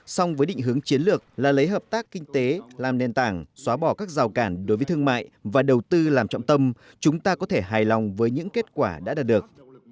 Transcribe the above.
song với định hướng chiến lược là lấy hợp tác kinh tế làm nền tảng xóa bỏ các rào cản đối với thương mại và đầu tư làm trọng tâm chúng ta có thể hài lòng với những kết quả đã đạt được